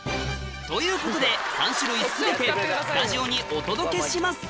ということで３種類全てスタジオにお届けします